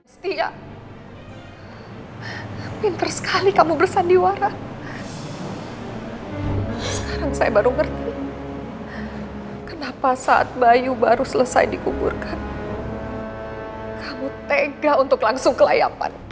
sampai jumpa di video selanjutnya